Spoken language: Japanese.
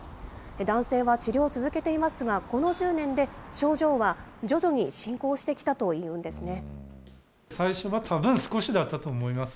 男性は治療を続けていますが、この１０年で症状は徐々に進行してきたというんですね。